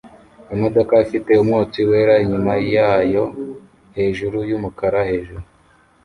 Imodoka ifite umwotsi wera inyuma yayo hejuru yumukara hejuru